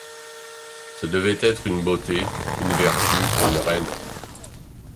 Ce devait être une beauté, une vertu, une reine.